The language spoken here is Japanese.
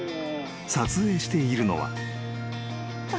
［撮影しているのは］